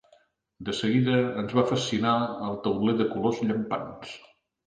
De seguida ens va fascinar el tauler de colors llampants.